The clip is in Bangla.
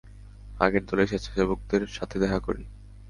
আগে দলের সেচ্ছাসেবকদের সাথে দেখা করি।